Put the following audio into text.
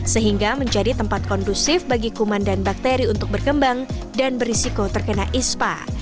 sehingga menjadi tempat kondusif bagi kuman dan bakteri untuk berkembang dan berisiko terkena ispa